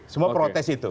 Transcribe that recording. semua protes itu